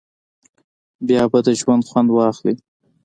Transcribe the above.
بیا به د ژونده خوند واخلی.